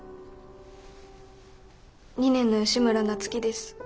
２年の吉村なつきです。